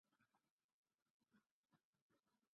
ކުރުމާއި ކައުންސިލުން އަންގާ އެންގުންތަކާއި އެއްގޮތަށް